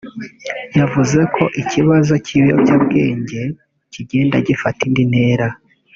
yavuze ko ikibazo cy’ibiyobyabwenge kigenda gifata indi ntera